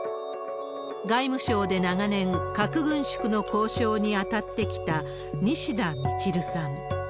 外務省で長年、核軍縮の交渉に当たってきた西田充さん。